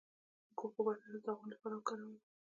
د کوکو بټر د داغونو لپاره وکاروئ